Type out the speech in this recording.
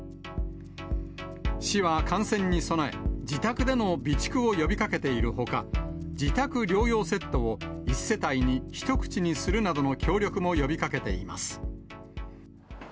市は感染に備え、自宅での備蓄を呼びかけているほか、自宅療養セットを１世帯に１口にするなどの協力も呼びかけています。